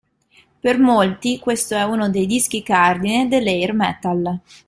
Per molti questo è uno dei dischi cardine del Hair metal.